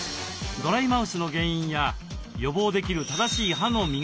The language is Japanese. ドライマウスの原因や予防できる正しい歯の磨き方も。